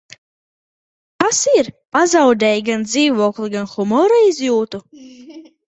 Kas ir, pazaudēji gan dzīvokli, gan humora izjūtu?